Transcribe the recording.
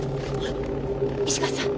石川さん！